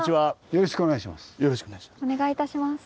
よろしくお願いします。